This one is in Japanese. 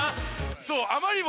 そう。